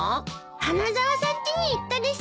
花沢さんちに行ったです。